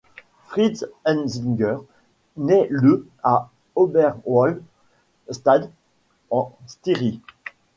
Fritz Enzinger naît le à Oberwölz Stadt, en Styrie.